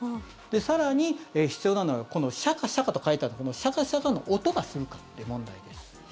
更に必要なのはこのシャカシャカと書いてあるシャカシャカの音がするかって問題です。